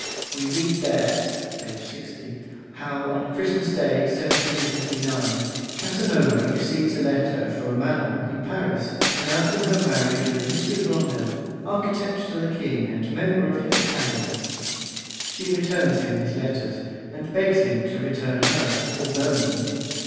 We read there (page 60) how on Christmas Day, 1759, Casanova receives a letter from Manon in Paris, announcing her marriage with 'M. Blondel, architect to the King, and member of his Academy'; she returns him his letters, and begs him to return hers, or burn them.